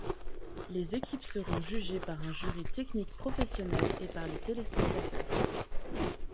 Les équipes seront jugées par un jury technique professionnel et par les téléspectateurs.